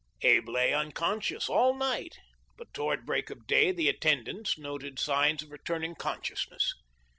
Abe lay unconscious all night, but towards break of day the attendants noticed signs of return ing consciousness.